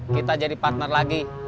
kita jadi partner lagi